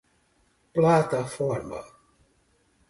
plataforma